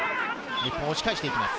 日本は押し返していきます。